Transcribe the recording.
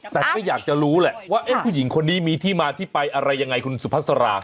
แต่ก็อยากจะรู้แหละว่าผู้หญิงคนนี้มีที่มาที่ไปอะไรยังไงคุณสุภาษารา